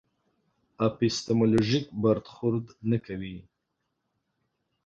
اپیستیمولوژیک برخورد نه کوي.